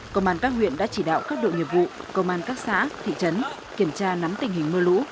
công an các huyện đã chỉ đạo các đội nghiệp vụ công an các xã thị trấn kiểm tra nắm tình hình mưa lũ